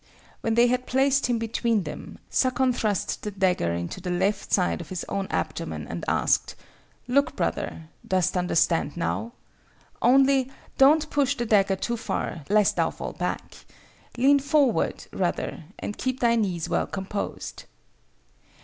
When they had placed him between them, Sakon thrust the dagger into the left side of his own abdomen and asked—'Look, brother! Dost understand now? Only, don't push the dagger too far, lest thou fall back. Lean forward, rather, and keep thy knees well composed.